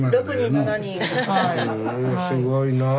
ふんすごいなあ。